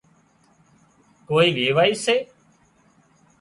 ڪوئي ويوائي سي